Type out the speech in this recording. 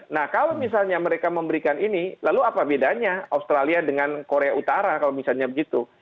nah kalau misalnya mereka memberikan ini lalu apa bedanya australia dengan korea utara kalau misalnya begitu